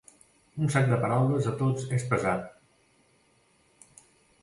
Un sac de paraules a tots és pesat.